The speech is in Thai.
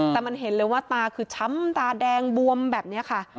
แต่มันเห็นเลยว่าตาคือช้ำตาแดงบวมแบบนี้ค่ะ